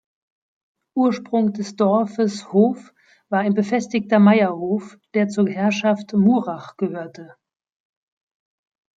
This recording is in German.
Ursprung des Dorfes Hof war ein befestigter Meierhof, der zur Herrschaft Murach gehörte.